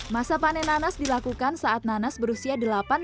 masa panen nanas dilakukan saat nanas berusia delapan tahun